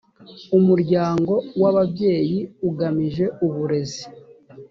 umuryango w’ababyeyi ugamije uburezi